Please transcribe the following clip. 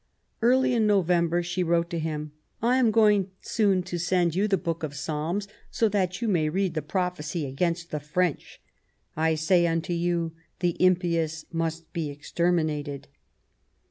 Early in November she wrote to him :" 1 am going soon to send you the Book of Psalms, so that you may read the prophecy against the French, ' I say unto you the impious must be exter minated.'